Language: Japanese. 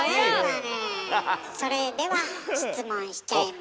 それでは質問しちゃいますよ。